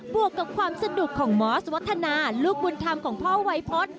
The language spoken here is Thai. วกกับความสนุกของมอสวัฒนาลูกบุญธรรมของพ่อวัยพฤษ